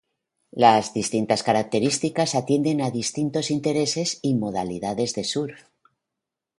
Las distintas características atienden a distintos intereses y modalidades de surf.